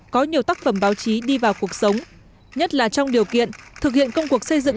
có nhiều tác phẩm báo chí đi vào cuộc sống nhất là trong điều kiện thực hiện công cuộc xây dựng